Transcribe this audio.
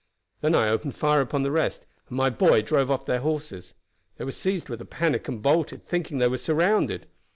Then I opened fire upon the rest, and my boy drove off their horses. They were seized with a panic and bolted, thinking they were surrounded.